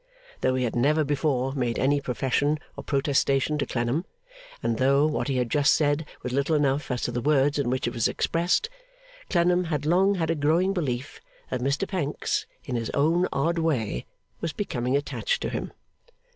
Though he had never before made any profession or protestation to Clennam, and though what he had just said was little enough as to the words in which it was expressed, Clennam had long had a growing belief that Mr Pancks, in his own odd way, was becoming attached to him.